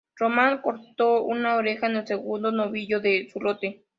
Román cortó una oreja en el segundo novillo de su lote.